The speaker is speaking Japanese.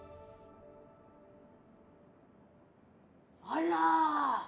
あら！